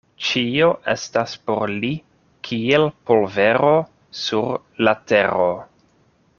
Ĉio estas por li kiel polvero sur la tero.